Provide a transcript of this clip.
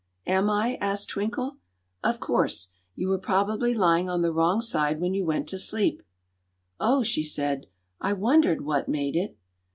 "Am I?" asked Twinkle. "Of course. You were probably lying on the wrong side when you went to sleep." "Oh!" she said. "I wondered what made it."